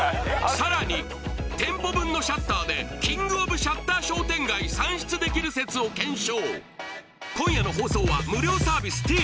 さらに店舗分のシャッターでキングオブシャッター商店街算出できる説を検証